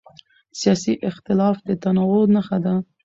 سیاسي اختلاف د تنوع نښه ده